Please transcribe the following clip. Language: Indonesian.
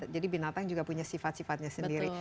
jadi binatang juga punya sifat sifatnya sendiri